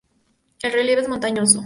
El relieve es montañoso.